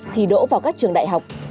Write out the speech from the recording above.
thì đỗ vào các trường đại học